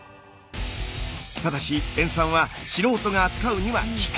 ただし塩酸は素人が扱うには危険。